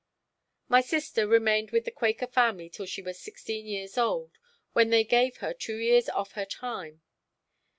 My sister remained with the Quaker family till she was sixteen years old, when they gave her two years off her time.